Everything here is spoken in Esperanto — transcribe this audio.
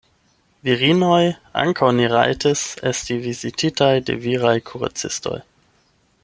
Virinoj ankaŭ ne rajtis esti vizitataj de viraj kuracistoj.